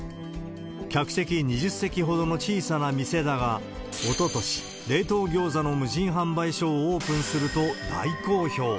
客席２０席ほどの小さな店だが、おととし冷凍ギョーザの無人販売所をオープンすると大好評。